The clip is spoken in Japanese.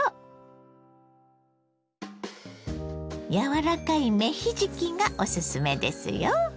柔らかい芽ひじきがおすすめですよ。